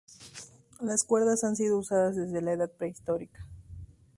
Las cuerdas han sido usadas desde la edad prehistórica.